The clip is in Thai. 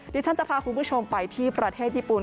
ดิฉันจะพาคุณผู้ชมไปที่ประเทศญี่ปุ่น